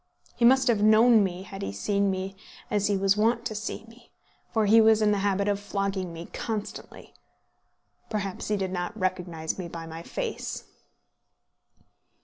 He must have known me had he seen me as he was wont to see me, for he was in the habit of flogging me constantly. Perhaps he did not recognise me by my face.